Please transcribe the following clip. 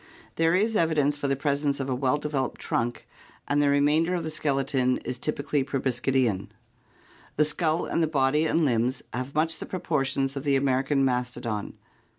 There is evidence for the presence of a well developed trunk and the remainder of the skeleton is typi c a 1 1 y proboscidean. The skull and the body and limbs have much the proportions of the American mastodon.